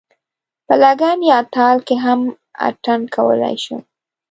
په لګن یا تال کې هم اتڼ کولای شم.